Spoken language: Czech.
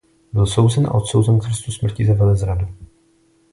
Byl souzen a odsouzen k trestu smrti za velezradu.